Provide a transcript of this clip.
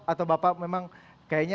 atau bapak memang kayaknya